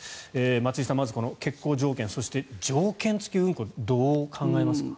松井さん、まず欠航条件そして条件付き運航どう考えますか？